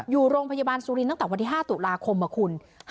อยู่โรงพยาบาลสุรินตั้งแต่วันที่๕ตุลาคมนะคุณ